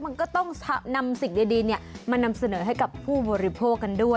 มันก็ต้องนำสิ่งดีมานำเสนอให้กับผู้บริโภคกันด้วย